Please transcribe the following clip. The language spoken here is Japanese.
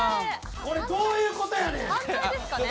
これ、どういうことやねん！